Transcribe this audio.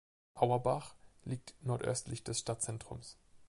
Auerbach liegt nordöstlich des Stadtzentrums.